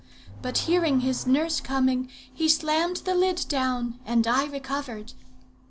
But hearing his nurse coming, he slammed the lid down, and I recovered.